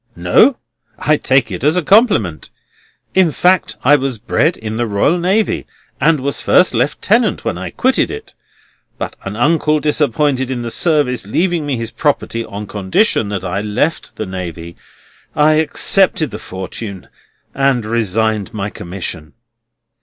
"No? I take it as a compliment. In fact, I was bred in the Royal Navy, and was First Lieutenant when I quitted it. But, an uncle disappointed in the service leaving me his property on condition that I left the Navy, I accepted the fortune, and resigned my commission."